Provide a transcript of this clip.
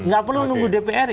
nggak perlu nunggu dpr